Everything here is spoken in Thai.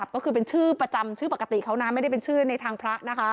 ก็คือเป็นชื่อประจำชื่อปกติเขานะไม่ได้เป็นชื่อในทางพระนะคะ